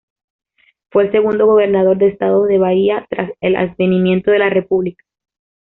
Fue el segundo gobernador del Estado de Bahía tras el advenimiento de la República.